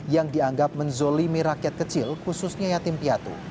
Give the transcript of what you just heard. yang dianggap menzolimi rakyat kecil khususnya yatim piatu